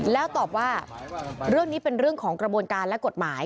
แล้วตอบว่าเรื่องนี้เป็นเรื่องของกระบวนการและกฎหมาย